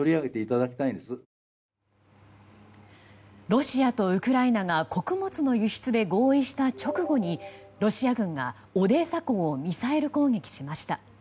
ロシアとウクライナが穀物の輸出で合意した直後にロシア軍がオデーサ港をミサイル攻撃しました。